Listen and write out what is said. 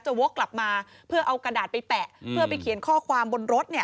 วกกลับมาเพื่อเอากระดาษไปแปะเพื่อไปเขียนข้อความบนรถเนี่ย